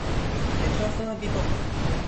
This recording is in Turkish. Etrafına bir bak.